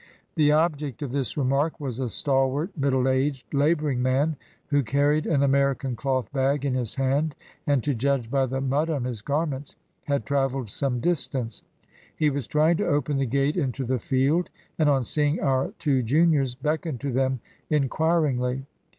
The object of this remark was a stalwart, middle aged, labouring man, who carried an American cloth bag in his hand, and, to judge by the mud on his garments, had travelled some distance. He was trying to open the gate into the field, and on seeing our two juniors beckoned to them inquiringly.